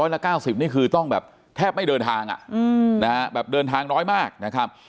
ละ๙๐นี่คือต้องแบบแทบไม่เดินทางแบบเดินทางน้อยมากนะครับ